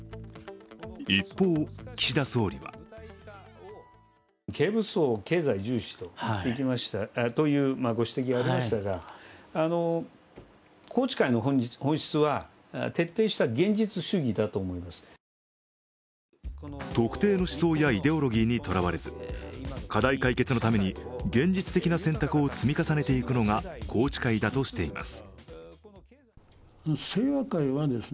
一方、岸田総理は特定の思想やイデオロギーにとらわれず、課題解決のために現実的な選択を積み重ねていくのが宏池会だとしています。